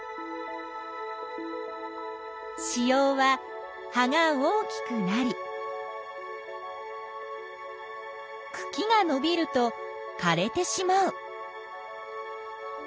子葉は葉が大きくなりくきがのびるとかれてしまう。